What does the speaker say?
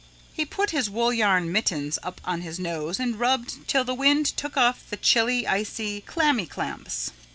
He put his wool yarn mittens up on his nose and rubbed till the wind took off the chilly, icy, clammy clamps.